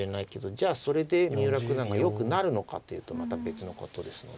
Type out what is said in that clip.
じゃあそれで三浦九段がよくなるのかっていうとまた別のことですので。